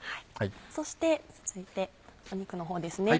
そして続いて肉の方ですね。